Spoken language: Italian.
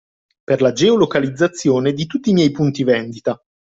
Per la geo-localizzazione di tutti i miei punti vendita